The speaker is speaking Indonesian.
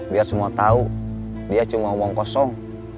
biar semua tau dia cuma ngomong kosong